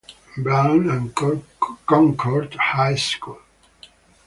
Brown and Concord High School.